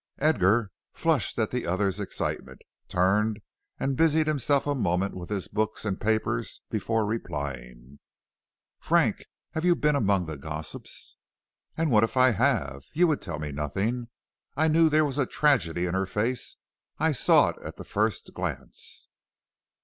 Edgar, flushed at the other's excitement, turned and busied himself a moment with his books and papers before replying. "Frank, you have been among the gossips." "And what if I have! You would tell me nothing, and I knew there was a tragedy in her face; I saw it at the first glance."